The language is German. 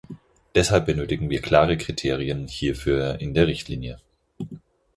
Deshalb benötigen wir klare Kriterien hierfür in der Richtlinie.